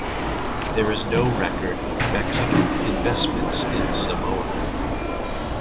There is no record of Mexican investments in Samoa.